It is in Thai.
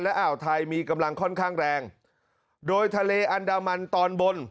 อ่าวไทยมีกำลังค่อนข้างแรงโดยทะเลอันดามันตอนบน